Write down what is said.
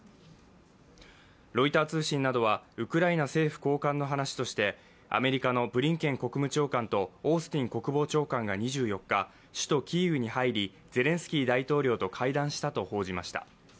ロイター通信などはウクライナ政府高官の話としてアメリカのブリンケン国務長官とオースティン国防長官が２４日、首都キーウに入りゼレンスキー大統領と会談したと報じました。